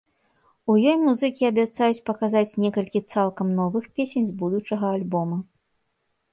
У ёй музыкі абяцаюць паказаць некалькі цалкам новых песень з будучага альбома.